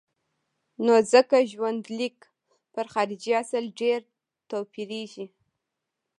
نو ځکه ژوندلیک پر خارجي اصل ډېر توپیرېږي.